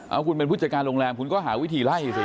เอาคุณเป็นผู้จัดการโรงแรมคุณก็หาวิธีไล่สิ